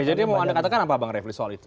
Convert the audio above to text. yang mau anda katakan apa bang refli soal itu